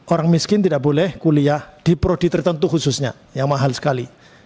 orang miskin tidak boleh kuliah di prodi tertentu khususnya yang mahal sekali